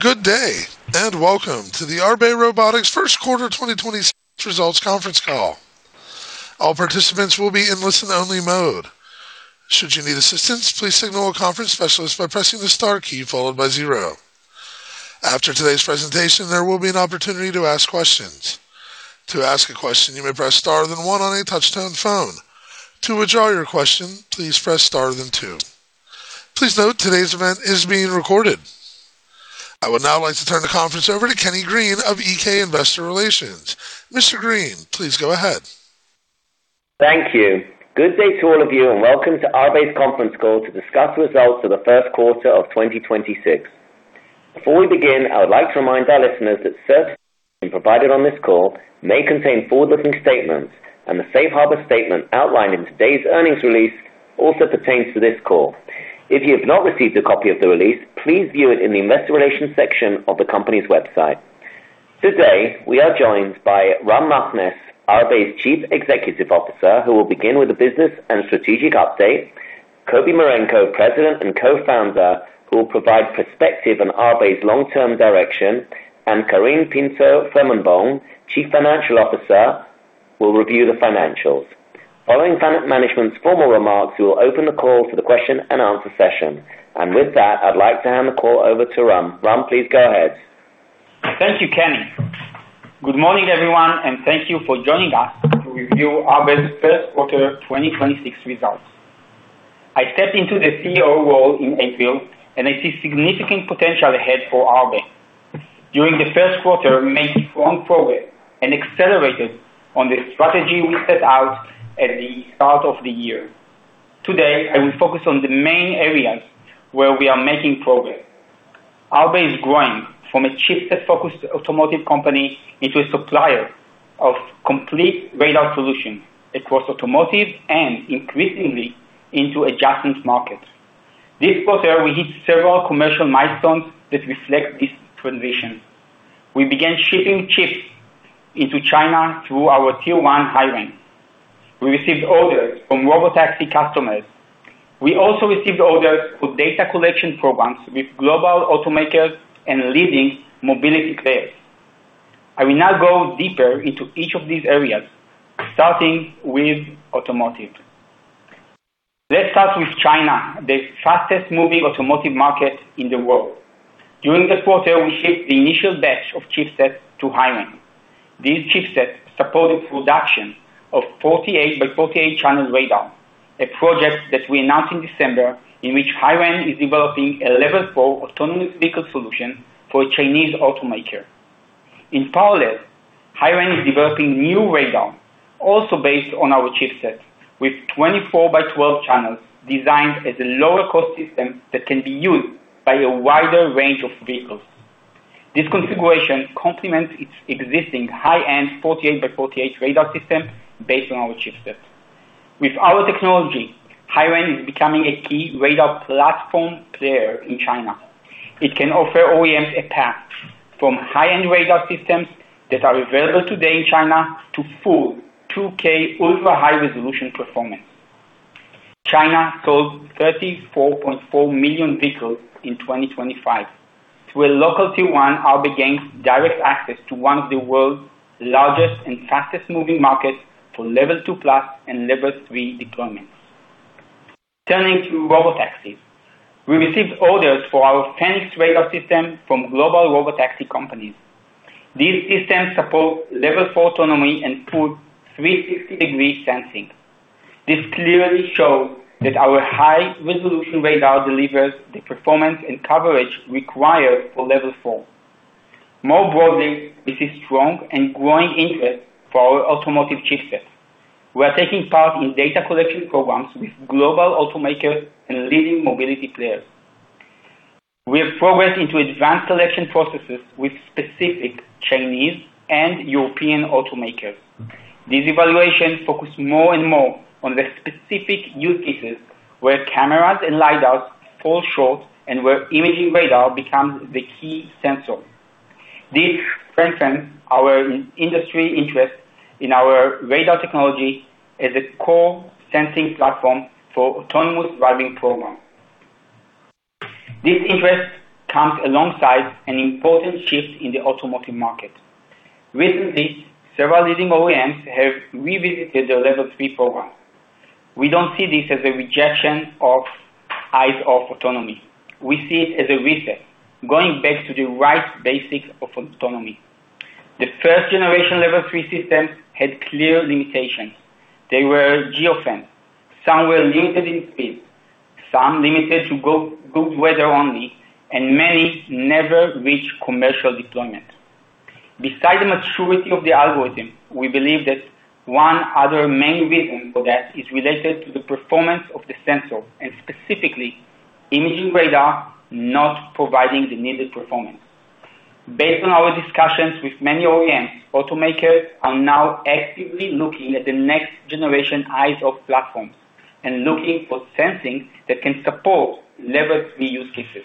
Good day, and welcome to the Arbe Robotics first quarter 2026 results conference call. All participants will be in listen only mode. Should you need assistance, please signal a conference specialist by pressing the star key followed by zero. After today's presentation, there will be an opportunity to ask questions. To ask a question, you may press star then one on a touch-tone phone. To withdraw your question, please press star then two. Please note, today's event is being recorded. I would now like to turn the conference over to Kenny Green of EK Investor Relations. Mr. Green, please go ahead. Thank you. Good day to all of you, and welcome to Arbe's conference call to discuss results for the first quarter of 2026. Before we begin, I would like to remind our listeners that certain information provided on this call may contain forward-looking statements, and the safe harbor statement outlined in today's earnings release also pertains to this call. If you have not received a copy of the release, please view it in the investor relations section of the company's website. Today, we are joined by Ram Machness, Arbe's Chief Executive Officer, who will begin with a business and strategic update, Kobi Marenko, President and Co-founder, who will provide perspective on Arbe's long-term direction, and Karine Pinto-Flomenboim, Chief Financial Officer, will review the financials. Following management's formal remarks, we will open the call to the question and answer session. With that, I'd like to hand the call over to Ram. Ram, please go ahead. Thank you, Kenny. Good morning, everyone. Thank you for joining us to review Arbe's first quarter 2026 results. I stepped into the CEO role in April, and I see significant potential ahead for Arbe. During the first quarter, we made strong progress and accelerated on the strategy we set out at the start of the year. Today, I will focus on the main areas where we are making progress. Arbe is growing from a chipset-focused automotive company into a supplier of complete radar solutions across automotive and increasingly into adjacent markets. This quarter, we hit several commercial milestones that reflect this transition. We began shipping chips into China through our Tier 1, HiRain. We received orders from robotaxi customers. We also received orders for data collection programs with global automakers and leading mobility players. I will now go deeper into each of these areas, starting with automotive. Let's start with China, the fastest-moving automotive market in the world. During this quarter, we shipped the initial batch of chipsets to HiRain. These chipsets supported production of 48 by 48 channel radar, a project that we announced in December, in which HiRain is developing a Level four autonomous vehicle solution for a Chinese automaker. In parallel, HiRain is developing new radar also based on our chipset, with 24 by 12 channels designed as a lower-cost system that can be used by a wider range of vehicles. This configuration complements its existing high-end 48 by 48 radar system based on our chipset. With our technology, HiRain is becoming a key radar platform player in China. It can offer OEMs a path from high-end radar systems that are available today in China to full 2K ultra-high-resolution performance. China sold 34.4 million vehicles in 2025. Through a local Tier 1, Arbe gains direct access to one of the world's largest and fastest-moving markets for Level two plus and Level three deployments. Turning to robotaxis. We received orders for our Phoenix radar system from global robotaxi companies. These systems support Level four autonomy and full 360-degree sensing. This clearly shows that our high-resolution radar delivers the performance and coverage required for Level four. This is strong and growing interest for our automotive chipsets. We are taking part in data collection programs with global automakers and leading mobility players. We have progressed into advanced selection processes with specific Chinese and European automakers. These evaluations focus more and more on the specific use cases where cameras and lidars fall short and where imaging radar becomes the key sensor. This strengthens our industry interest in our radar technology as a core sensing platform for autonomous driving programs. This interest comes alongside an important shift in the automotive market. Recently, several leading OEMs have revisited their Level three programs. We don't see this as a rejection of eyes-off autonomy. We see it as a reset, going back to the right basics of autonomy. The first-generation Level three systems had clear limitations. They were geofenced, some were limited in speed, some limited to good weather only, and many never reached commercial deployment. Besides the maturity of the algorithm, we believe that one other main reason for that is related to the performance of the sensor, and specifically, imaging radar not providing the needed performance. Based on our discussions with many OEMs, automakers are now actively looking at the next generation eyes-off platforms and looking for sensing that can support Level three use cases.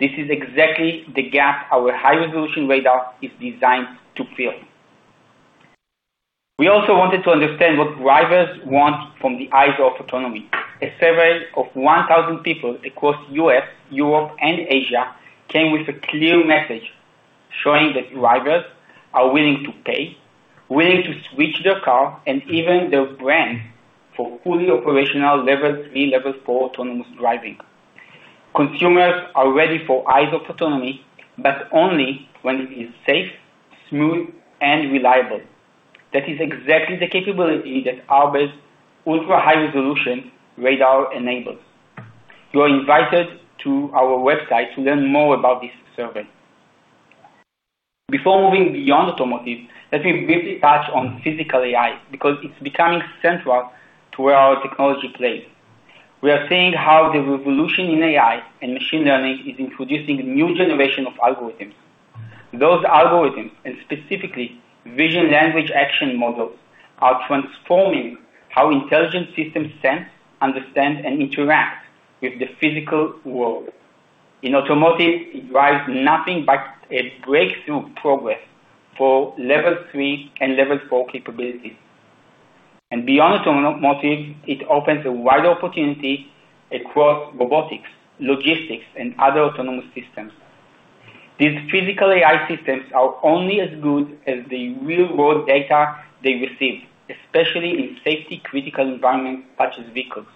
This is exactly the gap our high-resolution radar is designed to fill. We also wanted to understand what drivers want from the eyes-off autonomy. A survey of 1,000 people across U.S., Europe and Asia came with a clear message showing that drivers are willing to pay, willing to switch their car, and even their brand, for fully operational Level three, Level four autonomous driving. Consumers are ready for eyes-off autonomy, but only when it is safe, smooth and reliable. That is exactly the capability that Arbe's ultra-high-resolution radar enables. You are invited to our website to learn more about this survey. Before moving beyond automotive, let me briefly touch on Physical AI, because it's becoming central to where our technology plays. We are seeing how the revolution in AI and machine learning is introducing a new generation of algorithms. Those algorithms, and specifically vision-language-action models, are transforming how intelligent systems sense, understand and interact with the physical world. In automotive, it drives nothing but a breakthrough progress for Level three and Level four capabilities. Beyond automotive, it opens a wider opportunity across robotics, logistics and other autonomous systems. These Physical AI systems are only as good as the real-world data they receive, especially in safety-critical environments such as vehicles.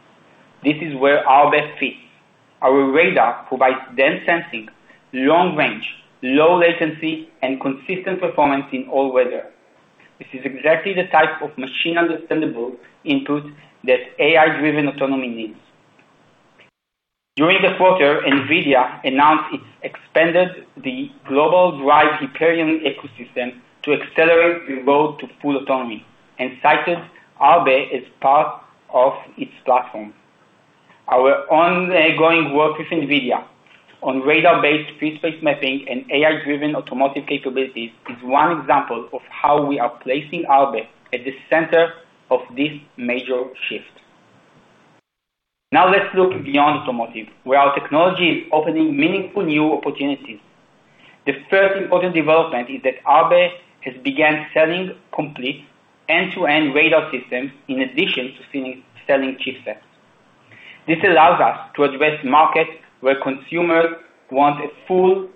This is where Arbe fits. Our radar provides dense sensing, long range, low latency and consistent performance in all weather. This is exactly the type of machine-understandable input that AI-driven autonomy needs. During the quarter, NVIDIA announced it expanded the global DRIVE Hyperion ecosystem to accelerate the road to full autonomy, and cited Arbe as part of its platform. Our ongoing work with NVIDIA on radar-based Free Space Mapping and AI-driven automotive capabilities is one example of how we are placing Arbe at the center of this major shift. Now let's look beyond automotive, where our technology is opening meaningful new opportunities. The first important development is that Arbe has begun selling complete end-to-end radar systems in addition to selling chipsets. This allows us to address markets where consumers want a full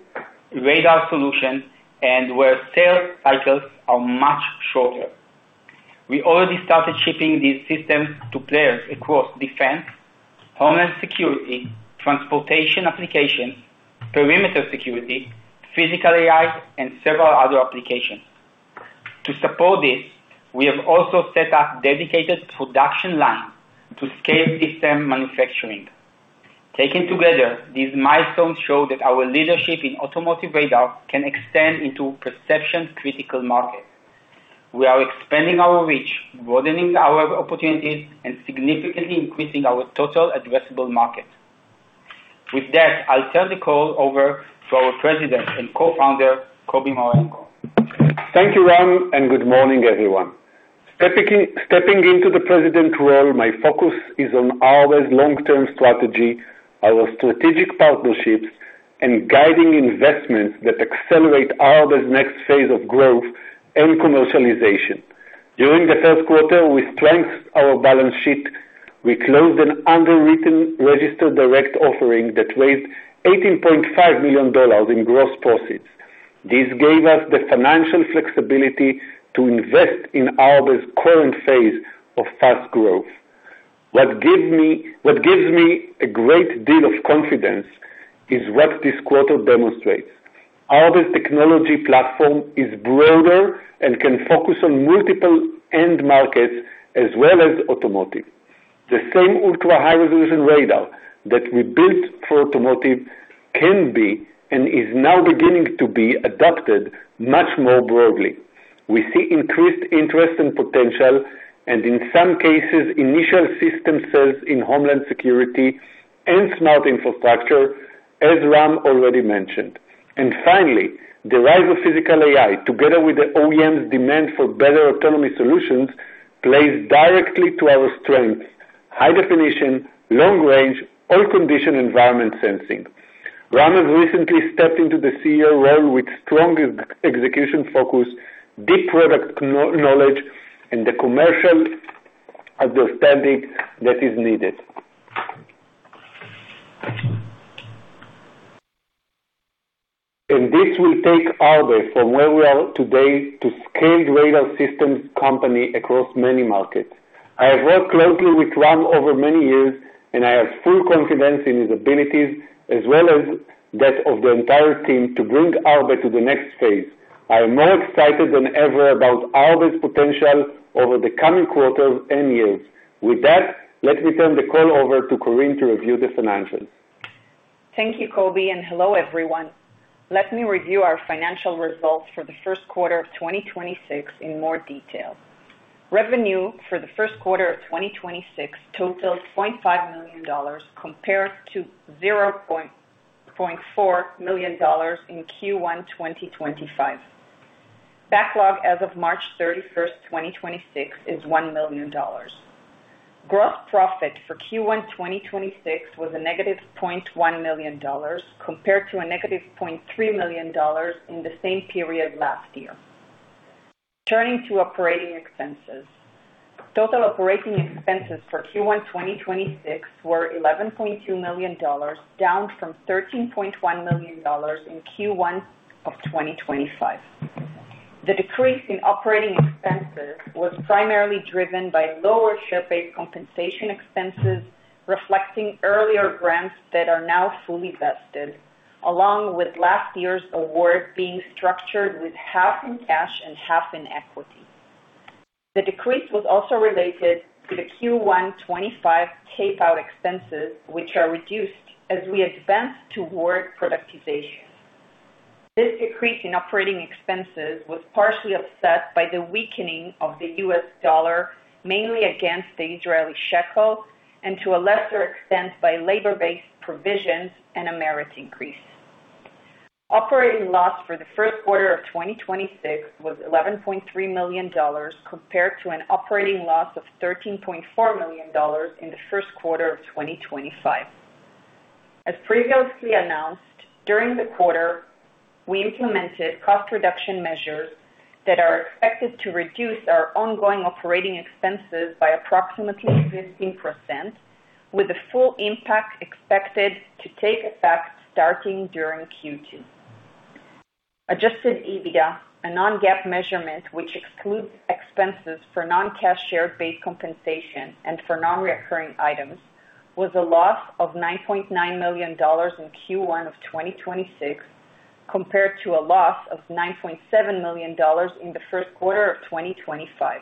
radar solution and where sales cycles are much shorter. We already started shipping these systems to players across defense, homeland security, transportation applications, perimeter security, Physical AI, and several other applications. To support this, we have also set up dedicated production line to scale system manufacturing. Taken together, these milestones show that our leadership in automotive radar can extend into perception-critical markets. We are expanding our reach, broadening our opportunities, and significantly increasing our total addressable market. With that, I'll turn the call over to our President and Co-founder, Kobi Marenko. Thank you, Ram. Good morning, everyone. Stepping into the president role, my focus is on Arbe's long-term strategy, our strategic partnerships, and guiding investments that accelerate Arbe's next phase of growth and commercialization. During the first quarter, we strengthened our balance sheet. We closed an underwritten registered direct offering that raised $18.5 million in gross proceeds. This gave us the financial flexibility to invest in Arbe's current phase of fast growth. What gives me a great deal of confidence is what this quarter demonstrates. Arbe's technology platform is broader and can focus on multiple end markets as well as automotive. The same ultra-high-resolution radar that we built for automotive can be, and is now beginning to be, adopted much more broadly. We see increased interest and potential and, in some cases, initial system sales in homeland security and smart infrastructure, as Ram already mentioned. Finally, the rise of Physical AI, together with the OEM's demand for better autonomy solutions, plays directly to our strengths: high definition, long range, all condition environment sensing. Ram has recently stepped into the CEO role with strong execution focus, deep product knowledge, and the commercial understanding that is needed. This will take Arbe from where we are today to scale radar systems company across many markets. I have worked closely with Ram over many years, and I have full confidence in his abilities as well as that of the entire team to bring Arbe to the next phase. I am more excited than ever about Arbe's potential over the coming quarters and years. With that, let me turn the call over to Karine to review the financials. Thank you, Kobi, and hello, everyone. Let me review our financial results for the first quarter of 2026 in more detail. Revenue for the first quarter of 2026 totaled $0.5 million, compared to $0.4 million in Q1 2025. Backlog as of March 31st, 2026, is $1 million. Gross profit for Q1 2026 was a negative $0.1 million, compared to a negative $0.3 million in the same period last year. Turning to operating expenses. Total operating expenses for Q1 2026 were $11.2 million, down from $13.1 million in Q1 of 2025. The decrease in operating expenses was primarily driven by lower share-based compensation expenses, reflecting earlier grants that are now fully vested, along with last year's award being structured with half in cash and half in equity. The decrease was also related to the Q1 2025 tape-out expenses, which are reduced as we advance toward productization. This decrease in operating expenses was partially offset by the weakening of the US dollar, mainly against the Israeli shekel, and to a lesser extent by labor-based provisions and a merit increase. Operating loss for the first quarter of 2026 was $11.3 million, compared to an operating loss of $13.4 million in the first quarter of 2025. As previously announced, during the quarter, we implemented cost reduction measures that are expected to reduce our ongoing operating expenses by approximately 15%, with the full impact expected to take effect starting during Q2. Adjusted EBITDA, a non-GAAP measurement which excludes expenses for non-cash share-based compensation and for non-reoccurring items, was a loss of $9.9 million in Q1 of 2026, compared to a loss of $9.7 million in the first quarter of 2025.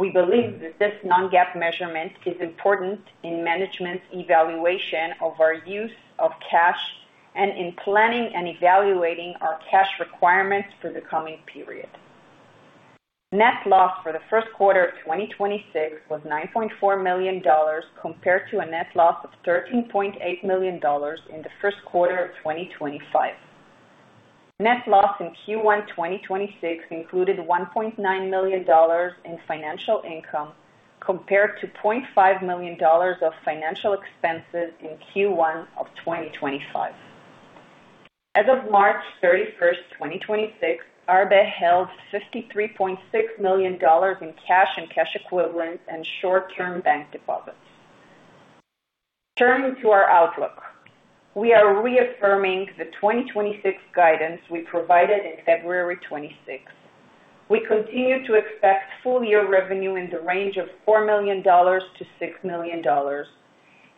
We believe that this non-GAAP measurement is important in management's evaluation of our use of cash and in planning and evaluating our cash requirements for the coming period. Net loss for the first quarter of 2026 was $9.4 million, compared to a net loss of $13.8 million in the first quarter of 2025. Net loss in Q1 2026 included $1.9 million in financial income, compared to $0.5 million of financial expenses in Q1 of 2025. As of March 31st, 2026, Arbe held $53.6 million in cash and cash equivalents and short-term bank deposits. Turning to our outlook. We are reaffirming the 2026 guidance we provided in February 26. We continue to expect full-year revenue in the range of $4 million to $6 million,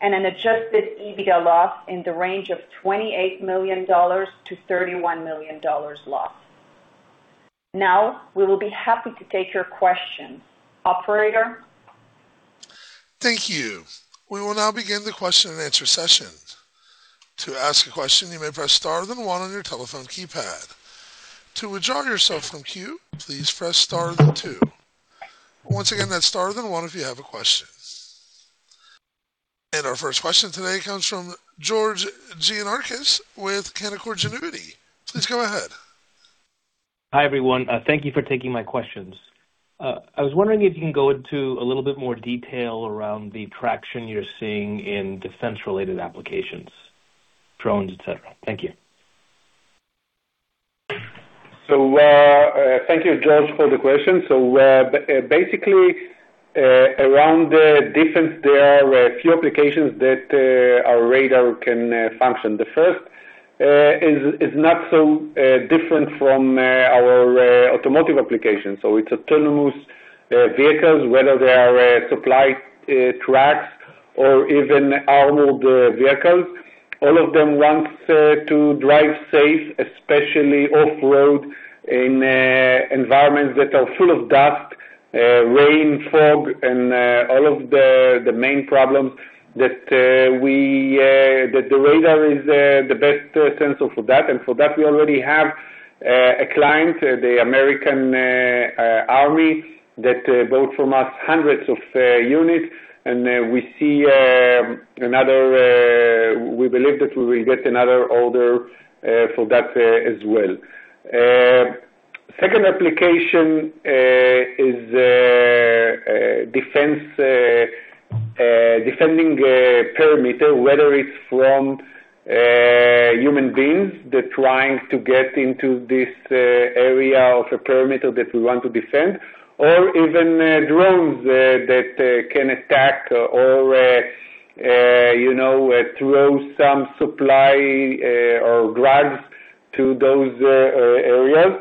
and an adjusted EBITDA loss in the range of $28 million to $31 million loss. Now, we will be happy to take your questions. Operator? Thank you. We will now begin the question and answer session. Our first question today comes from George Gianarikas with Canaccord Genuity. Please go ahead. Hi, everyone. Thank you for taking my questions. I was wondering if you can go into a little bit more detail around the traction you're seeing in defense-related applications, drones, et cetera. Thank you. Thank you, George, for the question. Basically, around the defense, there are a few applications that our radar can function. The first is not so different from our automotive application. It's autonomous vehicles, whether they are supply trucks or even armored vehicles. All of them want to drive safe, especially off-road in environments that are full of dust, rain, fog, and all of the main problems that the radar is the best sensor for that. For that, we already have a client, the U.S. Army, that bought from us hundreds of units. We believe that we will get another order for that as well. Second application is defending perimeter, whether it's from human beings that trying to get into this area of a perimeter that we want to defend or even drones that can attack or throw some supply or drugs to those areas.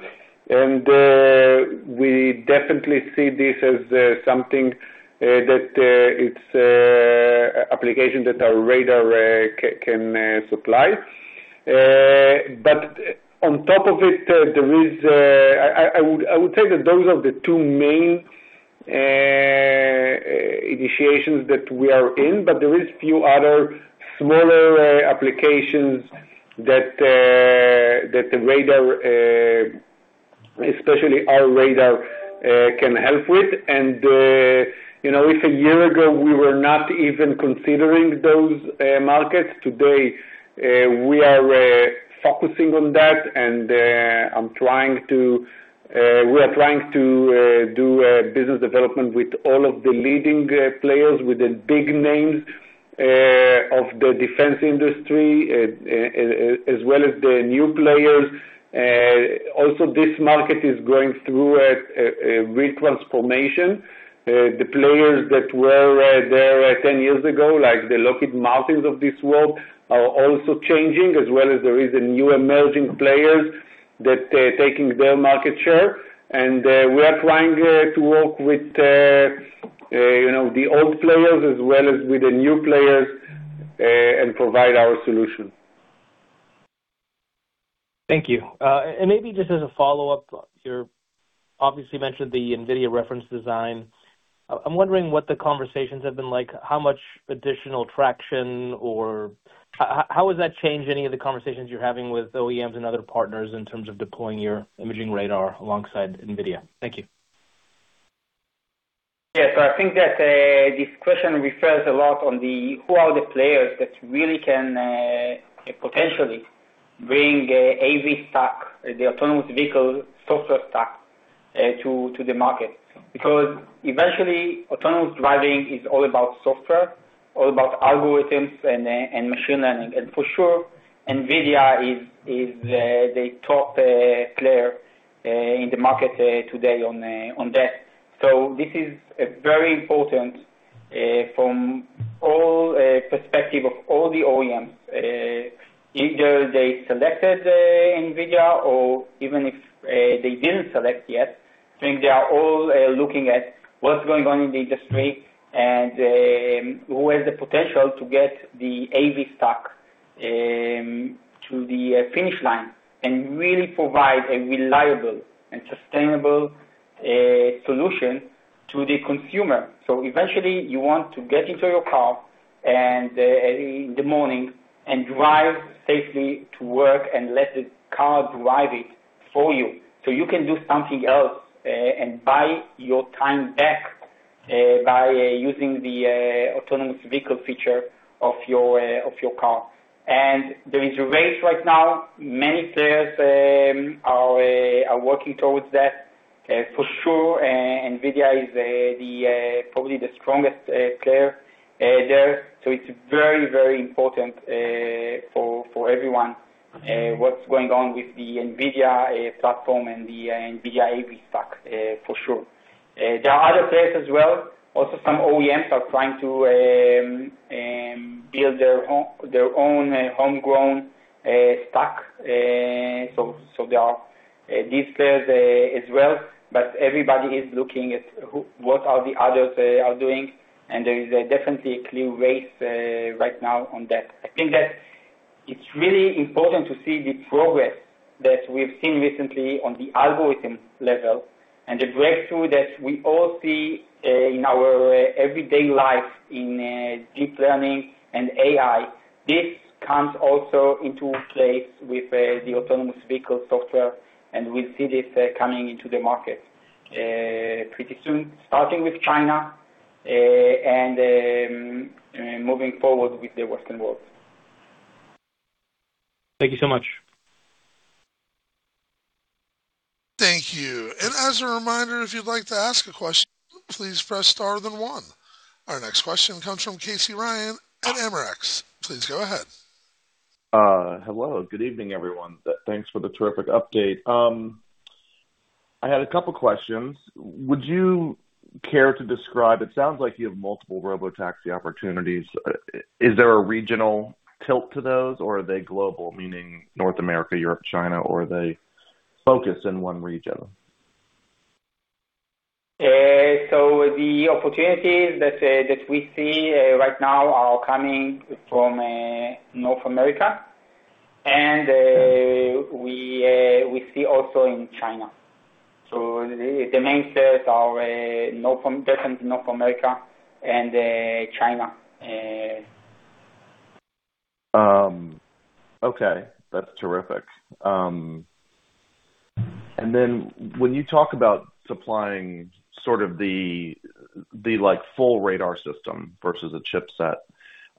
We definitely see this as something that its application that our radar can supply. On top of it, I would say that those are the two main initiations that we are in, but there is few other smaller applications that the radar, especially our radar, can help with. If a year ago we were not even considering those markets, today we are focusing on that and we are trying to do business development with all of the leading players, with the big names of the defense industry, as well as the new players. Also, this market is going through a retransformation. The players that were there 10 years ago, like the Lockheed Martin of this world, are also changing, as well as there is new emerging players that taking their market share. We are trying to work with the old players as well as with the new players, and provide our solution. Thank you. Maybe just as a follow-up, you obviously mentioned the NVIDIA reference design. I'm wondering what the conversations have been like, how much additional traction, or how has that changed any of the conversations you're having with OEMs and other partners in terms of deploying your imaging radar alongside NVIDIA? Thank you. I think that this question refers a lot on the, who are the players that really can potentially bring AV stack, the autonomous vehicle software stack, to the market. Eventually, autonomous driving is all about software, all about algorithms, and machine learning. For sure, NVIDIA is the top player in the market today on that. This is very important from all perspective of all the OEMs. Either they selected NVIDIA or even if they didn't select yet, I think they are all looking at what's going on in the industry and who has the potential to get the AV stack to the finish line and really provide a reliable and sustainable solution to the consumer. Eventually you want to get into your car in the morning and drive safely to work and let the car drive it for you so you can do something else, and buy your time back by using the autonomous vehicle feature of your car. There is a race right now. Many players are working towards that. For sure, NVIDIA is probably the strongest player there. It's very important for everyone what's going on with the NVIDIA platform and the NVIDIA AV Stack, for sure. There are other players as well. Also, some OEMs are trying to build their own homegrown stack. There are these players as well, but everybody is looking at what are the others are doing, and there is a definitely clear race right now on that. I think that it's really important to see the progress that we've seen recently on the algorithm level and the breakthrough that we all see in our everyday life in deep learning and AI. This comes also into place with the autonomous vehicle software, and we'll see this coming into the market pretty soon, starting with China, and moving forward with the Western world. Thank you so much. Thank you. As a reminder, if you'd like to ask a question, please press star then one. Our next question comes from Casey Ryan at AmerX. Please go ahead. Hello. Good evening, everyone. Thanks for the terrific update. I had a couple questions. Would you care to describe, it sounds like you have multiple robotaxi opportunities. Is there a regional tilt to those or are they global? Meaning North America, Europe, China, or are they focused in one region? The opportunities that we see right now are coming from North America and we see also in China. The main sales are definitely North America and China. Okay, that's terrific. When you talk about supplying sort of the full radar system versus a chipset,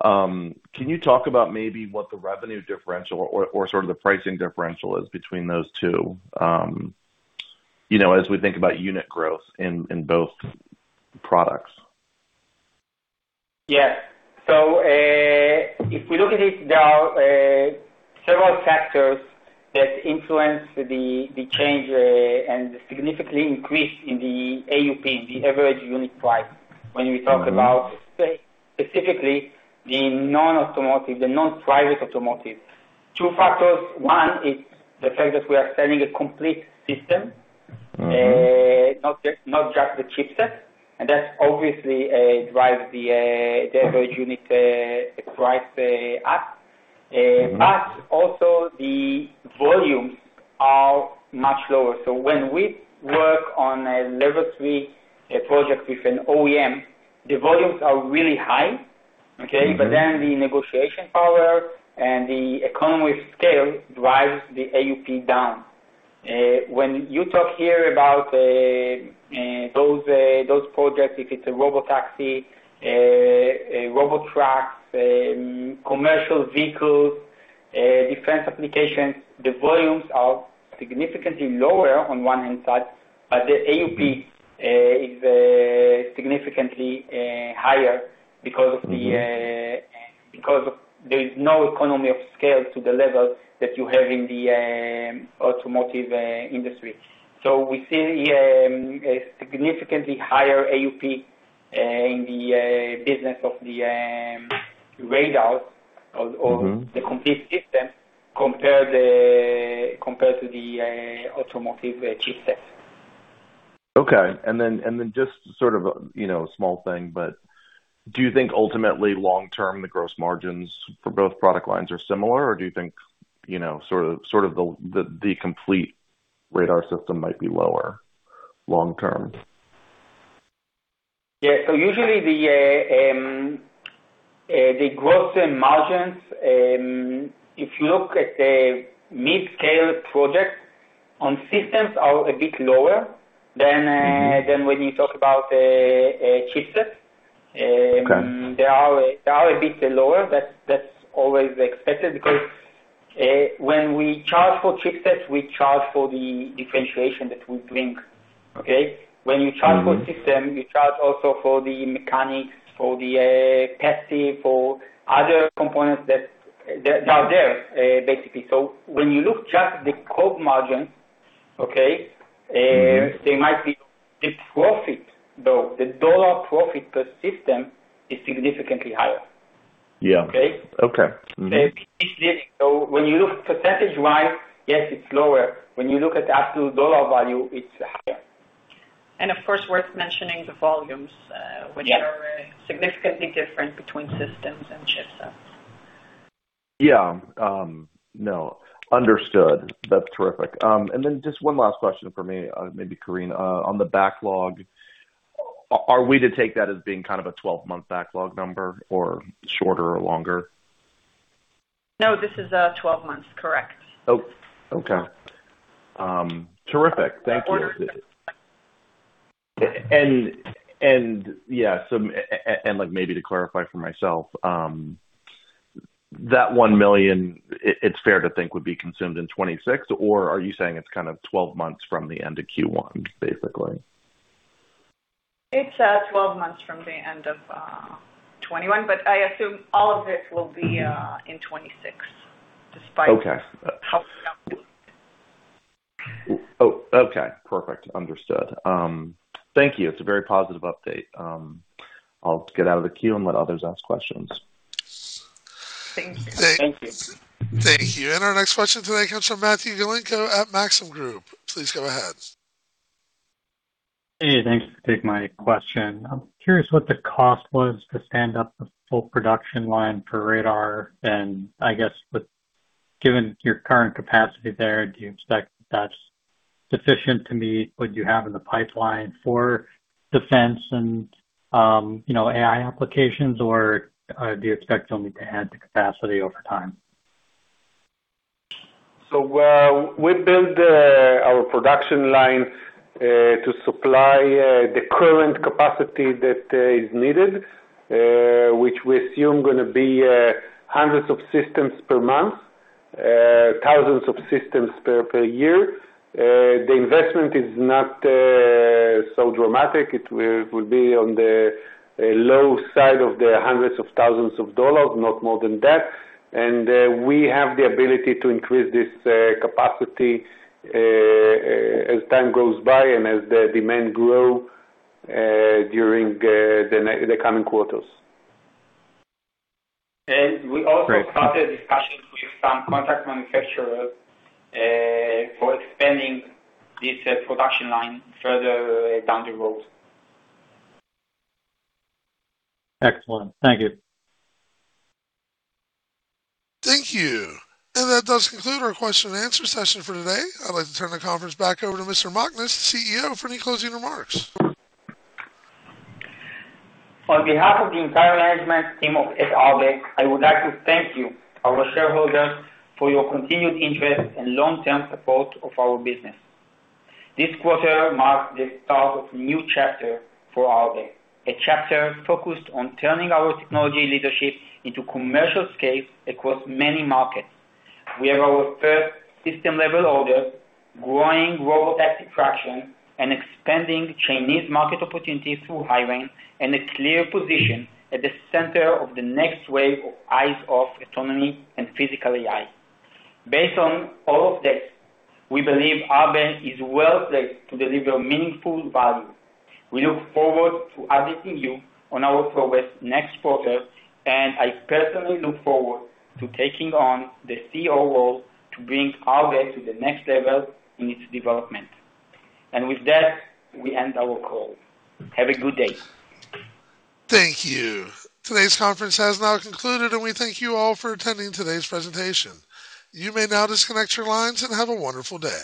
can you talk about maybe what the revenue differential or sort of the pricing differential is between those two as we think about unit growth in both products? Yeah. If we look at it now, several factors that influence the change and significantly increase in the AUP, the average unit price, when we talk about specifically the non-automotive, the non-driving automotive. Two factors. One is the fact that we are selling a complete system. not just the chipset, and that obviously drives the average unit price up. Also the volumes are much lower. When we work on a Level three project with an OEM, the volumes are really high. Okay. The negotiation power and the economy of scale drives the AUP down. When you talk here about Those projects, if it's a robotaxi, robot trucks, commercial vehicles, defense applications, the volumes are significantly lower on one hand side, but the AUP is significantly higher because of there is no economy of scale to the level that you have in the automotive industry. We see a significantly higher AUP in the business of the radar. the complete system compared to the automotive chip set. Okay. Just a small thing, but do you think ultimately long-term, the gross margins for both product lines are similar, or do you think the complete radar system might be lower long-term? Yeah. Usually, the gross margins, if you look at the mid-scale projects on systems are a bit lower than when you talk about a chip set. Okay. They are a bit lower. That's always expected because when we charge for chip sets, we charge for the differentiation that we bring. Okay? for system, you charge also for the mechanics, for the testing, for other components that are there, basically. When you look just the code margin, the profit though, the dollar profit per system is significantly higher. Yeah. Okay? Okay. When you look percentage-wise, yes, it's lower. When you look at absolute dollar value, it's higher. Of course, worth mentioning the volumes. Yeah which are significantly different between systems and chip sets. Yeah. Understood. That's terrific. Just one last question from me, maybe Karine. On the backlog, are we to take that as being a 12-month backlog number or shorter or longer? No, this is 12 months. Correct. Oh, okay. Terrific. Thank you. Like maybe to clarify for myself, that $1 million, it's fair to think would be consumed in 2026 or are you saying it's 12 months from the end of Q1, basically? It's 12 months from the end of 2021, but I assume all of it will be in 2026. Okay Okay. Perfect. Understood. Thank you. It's a very positive update. I'll get out of the queue and let others ask questions. Thank you. Thank you. Thank you. Our next question today comes from Matthew Galinko at Maxim Group. Please go ahead. Hey, thanks for taking my question. I'm curious what the cost was to stand up the full production line for radar. I guess with given your current capacity there, do you expect that's sufficient to meet what you have in the pipeline for defense and AI applications, or do you expect only to add to capacity over time? We build our production line to supply the current capacity that is needed, which we assume going to be hundreds of systems per month, thousands of systems per year. The investment is not so dramatic. It will be on the low side of the $hundreds of thousands, not more than that. We have the ability to increase this capacity as time goes by and as the demand grow during the coming quarters. We also started discussions with some contract manufacturers for expanding this production line further down the road. Excellent. Thank you. Thank you. That does conclude our question and answer session for today. I'd like to turn the conference back over to Mr. Machness, CEO, for any closing remarks. On behalf of the entire management team of Arbe, I would like to thank you, our shareholders for your continued interest and long-term support of our business. This quarter marks the start of a new chapter for Arbe. A chapter focused on turning our technology leadership into commercial scale across many markets. We have our first system-level order, growing robotaxi traction, and expanding Chinese market opportunities through HiRain, and a clear position at the center of the next wave of eyes-off autonomy and Physical AI. Based on all of this, we believe Arbe is well-placed to deliver meaningful value. We look forward to updating you on our progress next quarter, and I personally look forward to taking on the CEO role to bring Arbe to the next level in its development. With that, we end our call. Have a good day. Thank you. Today's conference has now concluded, and we thank you all for attending today's presentation. You may now disconnect your lines, and have a wonderful day.